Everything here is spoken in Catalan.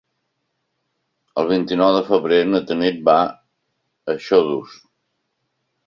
El vint-i-nou de febrer na Tanit va a Xodos.